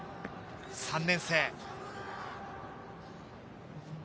３年生。